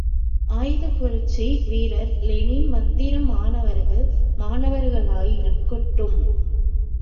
ஆயுதப் புரட்சி வீரர் லெனின் மந்திரம், மாணவர்கள் மாணவர்களாயிருக்கட்டும்.